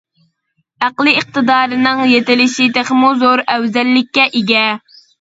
ئەقلىي ئىقتىدارىنىڭ يېتىلىشى تېخىمۇ زور ئەۋزەللىككە ئىگە.